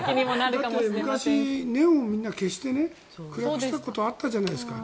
だって昔ネオンをみんな消して暗くしたことあったじゃないですか。